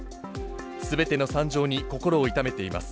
すべての惨状に心を痛めています。